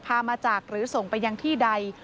พามาจากหรือส่งไปยังที่ใด